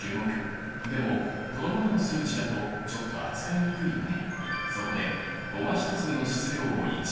でもこのままの数値だとちょっと扱いにくいよね。